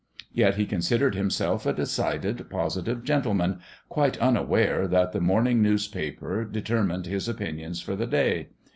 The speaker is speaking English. Yet he considered himself a decided, positive gentleman, quite unaware that the morning newspaper determined his opinions for the day.